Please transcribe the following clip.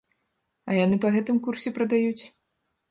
А яны па гэтым курсе прадаюць?